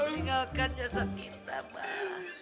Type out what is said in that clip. tinggalkan jasad kita mbak